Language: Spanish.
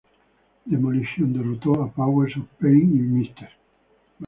Demolition derrotó a Powers of Pain y Mr.